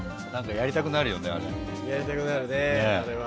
やりたくなるねあれは。